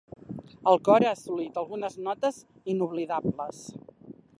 El cor ha assolit algunes notes inoblidables.